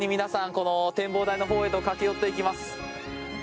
この展望台のほうへと駆け寄っていきます。